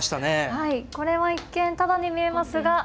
これは一見タダに見えますが。